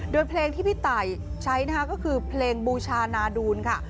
โดยเพลงที่พี่ตายใช้นะคะก็คือเพลงบูชานาดูลค่ะ